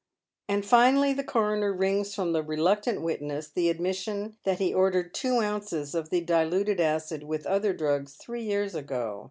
And finally the coroner wrings from the reluctant witness the admission that he ordered two ounces of the diluted acid with other drugs three years ago.